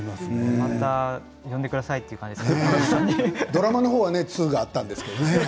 また呼んでくださいドラマは２があったんですけれどね。